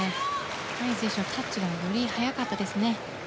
マリン選手のタッチがより速かったですね。